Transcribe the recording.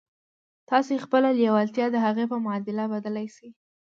تاسې خپله لېوالتیا د هغې په معادل بدلولای شئ